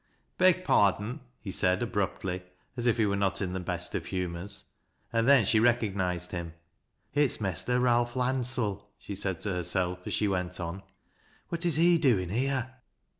" Beg pardon !" he said abruptly, as if he were not in the best of humors. And then she I'ecognized him. "It's Mester Ealph Landsell," she said to hei self as sht went on. " What is he doin' here